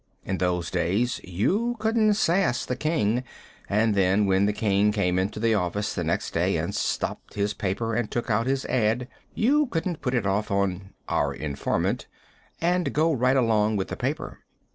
In those days you couldn't sass the king, and then, when the king came in the office the next day and stopped his paper, and took out his ad., you couldn't put it off on "our informant" and go right along with the paper.